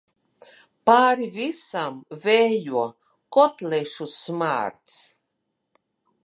Pāri visam vējo kotlešu smārds.